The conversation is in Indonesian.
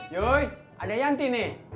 yuy ada yanti nih